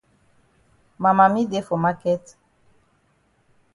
Ma mami dey for maket.